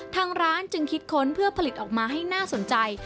ทางร้านจึงคิดค้นเพื่อผลิตออกมาให้น่าสนใจ